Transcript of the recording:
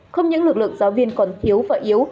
không những lực lượng giáo viên còn thiếu và yếu